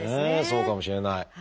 そうかもしれない。